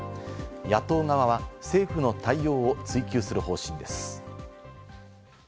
野党側は政府の対応を追及する方針です。